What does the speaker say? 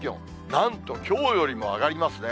なんときょうよりも上がりますね。